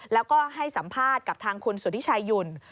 แล้วก็ให้สัมภาษณ์กับทางคุณสุธิชายุ่น